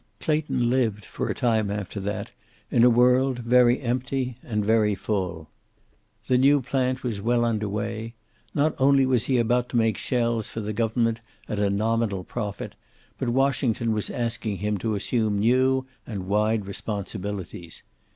Clayton lived, for a time after that, in a world very empty and very full. The new plant was well under way. Not only was he about to make shells for the government at a nominal profit, but Washington was asking him to assume new and wide responsibilities.